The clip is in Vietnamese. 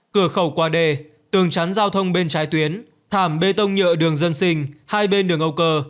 cửa khẩu qua đê tường chắn giao thông bên trái tuyến thảm bê tông nhựa đường dân sinh hai bên đường âu cơ